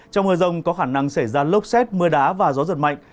trong mưa rông có khả năng xảy ra lốc xét mưa đá và gió giật mạnh